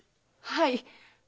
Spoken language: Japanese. はい。